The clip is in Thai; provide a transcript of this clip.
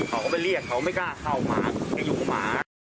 เขาก็ไปเรียกเขาไม่กล้าข้าวหมาอยู่ข้าวหมา